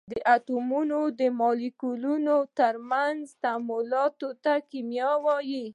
د اتومونو، مالیکولونو او تر منځ یې تعاملاتو ته کېمیا وایي.